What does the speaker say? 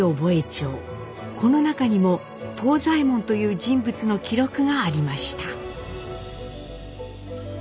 この中にも藤左衛門という人物の記録がありました。